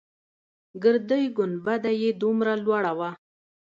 ګردۍ گنبده يې دومره لوړه وه.